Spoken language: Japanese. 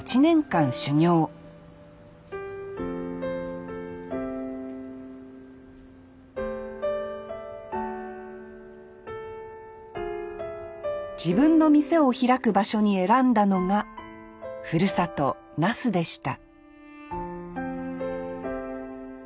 修業自分の店を開く場所に選んだのがふるさと那須でした